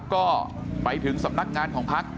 ก็ไปถึงสำนักงานของพัก